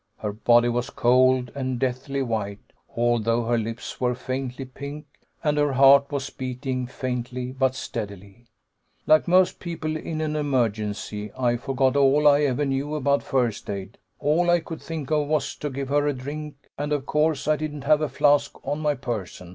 Her body was cold, and deathly white, although her lips were faintly pink, and her heart was beating, faintly but steadily. "Like most people in an emergency. I forgot all I ever knew about first aid. All I could think of was to give her a drink, and of course I didn't have a flask on my person.